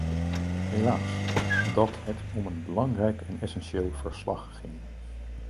Helaas, omdat het om een belangrijk en essentieel verslag ging.